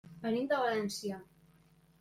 Venim de València.